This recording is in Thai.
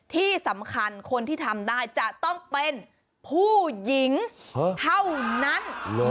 ที่สำคัญคนที่ทำได้จะต้องเป็นผู้หญิงเท่านั้น